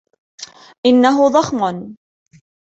انه ضخم.